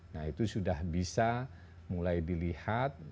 nah itu sudah bisa mulai dilihat